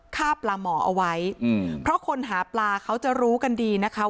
ฆ่าปลาหมอเอาไว้เพราะคนหาปลาเขาจะรู้กันดีนะคะ